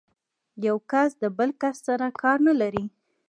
يو کس د بل کس سره کار نه لري.